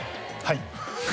はい。